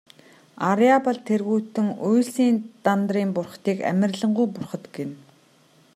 Арьяабал тэргүүтэн үйлсийн Дандарын бурхдыг амарлингуй бурхад гэнэ.